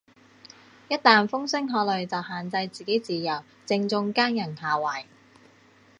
一但風聲鶴唳就限制自己自由，正中奸人下懷